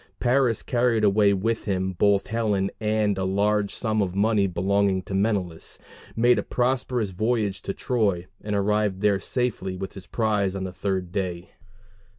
Paris carried away with him both Helen and a large sum of money belonging to Menelaus, made a prosperous voyage to Troy, and arrived there safely with his prize on the third day.